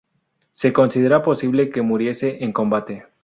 Se considera posible que muriese en combate.